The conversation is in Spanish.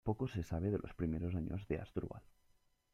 Poco se sabe de los primeros años de Asdrúbal.